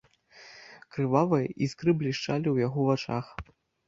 Крывавыя іскры блішчалі ў яго вачах.